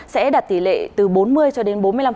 sẽ đạt tỷ lệ từ bốn mươi cho đến bốn mươi năm